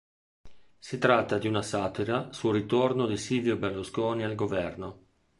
Si tratta di una satira sul ritorno di Silvio Berlusconi al Governo.